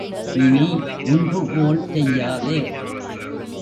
இனி முன்பு போல் செய்யாதே!